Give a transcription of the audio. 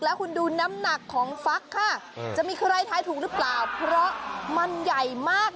แล้วคุณดูน้ำหนักของฟักค่ะจะมีใครทายถูกหรือเปล่าเพราะมันใหญ่มาก